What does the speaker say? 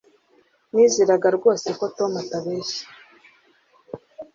Nizeraga rwose ko Tom atabeshya